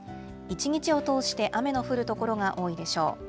一日を通して雨の降る所が多いでしょう。